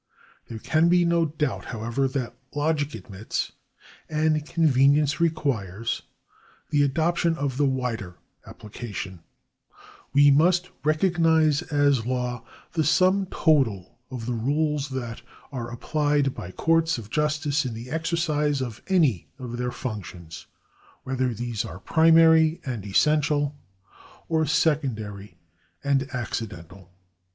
There can be no doubt, however, that logic admits, and convenience requires, the adoption of the wider appUcation. We must recognise as law the sum 92 THE ADMINISTRATION OF JUSTICE [§35 total of tlie rules that arc a])j)Iicd by courts of justice in the exercise of any of their functions, wlicther these are primary and essential or secondary and accidental.